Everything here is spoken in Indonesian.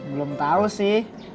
belum tau si